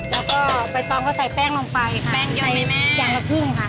แล้วก็ใบตองก็ใส่แป้งลงไปแป้งเยอะไหมแม่อย่างละครึ่งค่ะ